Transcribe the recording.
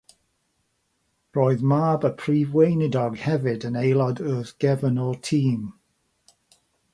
Roedd mab y Prif Weinidog hefyd yn aelod wrth gefn o'r tîm.